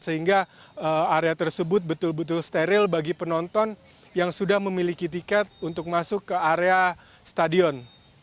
sehingga area tersebut betul betul steril bagi penonton yang sudah memiliki tiket untuk masuk ke area stadion